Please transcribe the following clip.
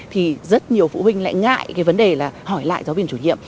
thì rất nhiều phụ huynh lại ngại cái vấn đề là hỏi lại giáo viên chủ nhiệm